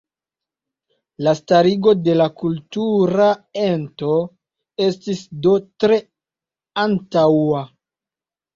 La starigo de kultura ento estis do tre antaŭa.